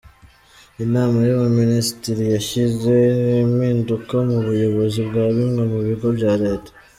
Inama y’Abaminisitiri yashyize impinduka mu buyobozi bwa bimwe mu bigo bya Leta.